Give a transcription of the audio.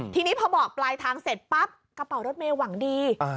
ทีนี้พอบอกปลายทางเสร็จปั๊บกระเป๋ารถเมย์หวังดี